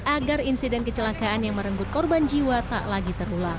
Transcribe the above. agar insiden kecelakaan yang merenggut korban jiwa tak lagi terulang